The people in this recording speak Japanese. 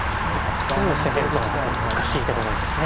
どう攻めるかはただ難しいところですね。